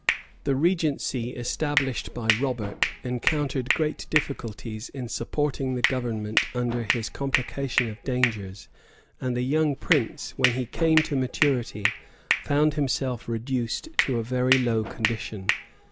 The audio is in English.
[] The regency established by Robert encountered great difficulties in supporting the government under his complication of dangers; and the young prince, when he came to maturity, found himself reduced to a very low condition.